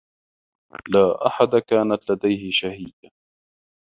لا أحد كانت لديه شهيّة.